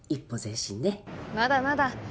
まだまだ。